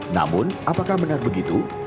namun apakah benar begitu